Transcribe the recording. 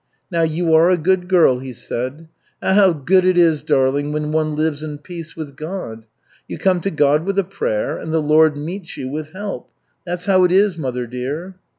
"Now you are a good girl," he said. "Ah, how good it is, darling, when one lives in peace with God. You come to God with a prayer, and the Lord meets you with help. That's how it is, mother dear."